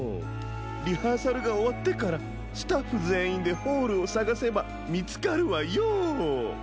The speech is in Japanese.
リハーサルがおわってからスタッフぜんいんでホールをさがせばみつかるわよ。